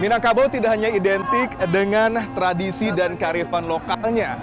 minangkabau tidak hanya identik dengan tradisi dan karir panlawan